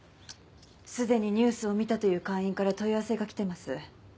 すでにニュースを見たという会員から問い合わせが来てます。